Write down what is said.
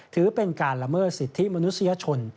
ถือเป็นการละเมิดสิทธิมนุษยชน